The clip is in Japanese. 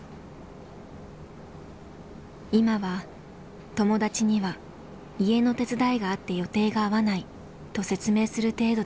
今は友達には家の手伝いがあって予定が合わないと説明する程度です。